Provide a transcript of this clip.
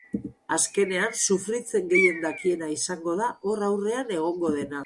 Azkenean, sufritzen gehien dakiena izango da hor aurrean egongo dena.